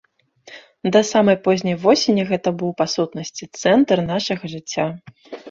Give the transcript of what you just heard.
Да самай позняй восені гэта быў, па-сутнасці, цэнтр нашага жыцця.